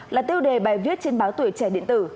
là tiêu đề bài viết trên báo tuổi trẻ điện tử